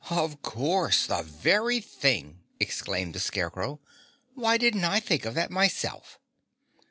"Of course, the very thing!" exclaimed the Scarecrow. "Why didn't I think of that myself?"